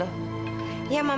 tapi juara betul doe